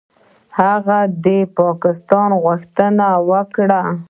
هغه د پاکستان غوښتنه وکړه.